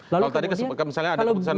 kalau tadi misalnya ada keputusan